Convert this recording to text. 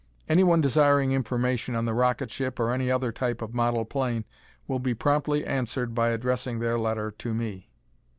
Anyone desiring information on the rocket ship or any other type of model plane will be promptly answered by addressing their letter to me.